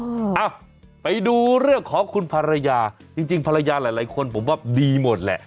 อ่ะไปดูเรื่องของคุณภรรยาจริงภรรยาหลายคนผมว่าดีหมดแหละ